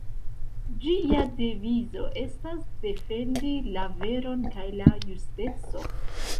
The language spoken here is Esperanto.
Ĝia devizo estas "Defendi la veron kaj la justeco".